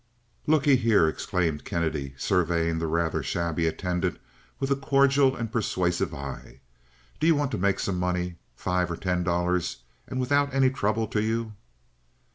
"Looky here," exclaimed Kennedy, surveying the rather shabby attendant with a cordial and persuasive eye, "do you want to make some money—five or ten dollars, and without any trouble to you?"